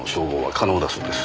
可能だそうです。